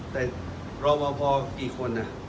แต่รองวันพอกี่คนอ่ะ